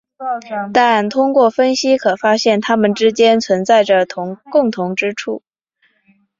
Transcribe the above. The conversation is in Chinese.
但通过分析可发现它们之间存在着共同之处。